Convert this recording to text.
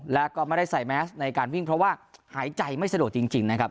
แล้วก็ไม่ได้ใส่แมสในการวิ่งเพราะว่าหายใจไม่สะดวกจริงนะครับ